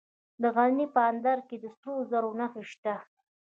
د غزني په اندړ کې د سرو زرو نښې شته.